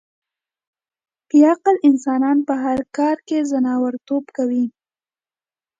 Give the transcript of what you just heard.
بې عقل انسانان په هر کار کې ځناورتوب کوي.